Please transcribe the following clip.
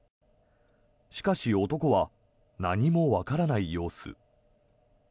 しかし、男は何もわからない様子。